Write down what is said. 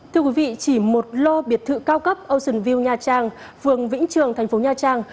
thưa quý vị chỉ một lô biệt thự cao cấp ocean vie nha trang phường vĩnh trường thành phố nha trang